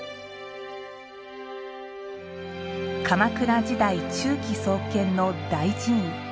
鎌倉時代中期創建の大寺院。